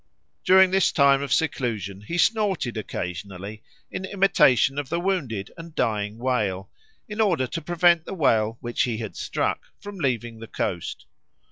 During this time of seclusion he snorted occasionally in imitation of the wounded and dying whale, in order to prevent the whale which he had struck from leaving the coast.